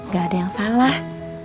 gak ada yang salah